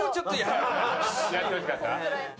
やってほしかった？